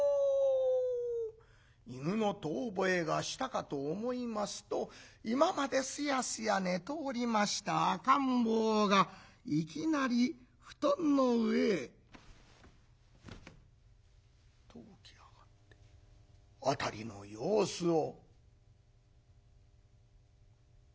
犬の遠ぼえがしたかと思いますと今まですやすや寝ておりました赤ん坊がいきなり布団の上へ。と起き上がって辺りの様子を。